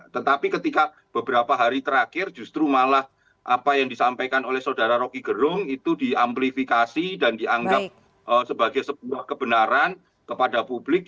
tetapi ketika beberapa hari terakhir justru malah apa yang disampaikan oleh saudara rocky gerung itu di amplifikasi dan dianggap sebagai sebuah kebenaran kepada publik